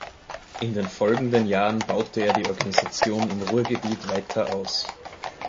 In den folgenden Jahren baute er die Organisation im Ruhrgebiet weiter aus.